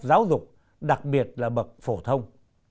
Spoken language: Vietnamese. cấp giáo dục đặc biệt là bậc phổ thông